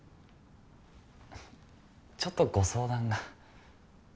ちょっとご相談が。